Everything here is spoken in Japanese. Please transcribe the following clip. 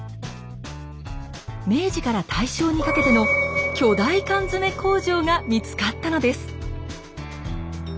明治から大正にかけての巨大缶詰工場が見つかったのです。